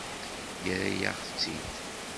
Yerra-yaɣ-tt-id.